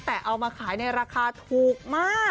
แต่เอามาขายในราคาถูกมาก